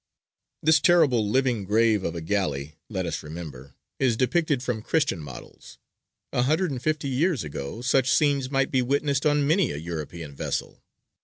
This terrible living grave of a galley, let us remember, is depicted from Christian models. A hundred and fifty years ago such scenes might be witnessed on many a European vessel.